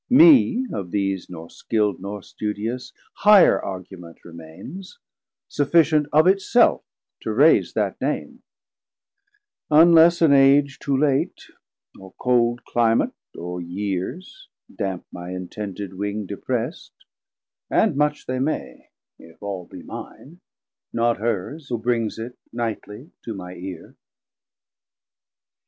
Mee of these Nor skilld nor studious, higher Argument Remaines, sufficient of it self to raise That name, unless an age too late, or cold Climat, or Years damp my intended wing Deprest, and much they may, if all be mine, Not Hers who brings it nightly to my Ear.